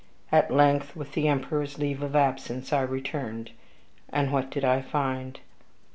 At length, with the emperor's leave of absence, I returned. And what did I find?